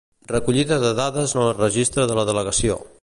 Recollida de dades en el registre de la delegació.